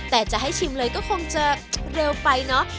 แต่จะให้ชิมเลยก็คงจะเร็วไปเนอะ